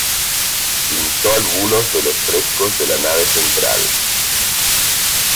Pintó algunos de los frescos de la nave central.